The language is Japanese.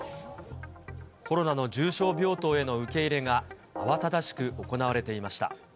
コロナの重症病棟への受け入れが慌ただしく行われていました。